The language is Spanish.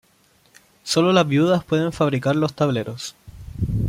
Solo las viudas pueden fabricar los tableros.